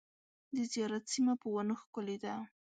د زیارت سیمه په ونو ښکلې ده .